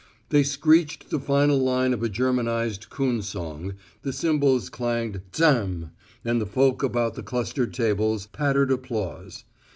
They screeched the final line of a Germanized coon song, the cymbals clanged "Zam m m!" and folk about the clustered tables pattered applause.